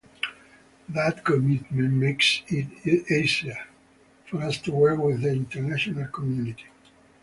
That commitment makes it easier for us to work with the international community.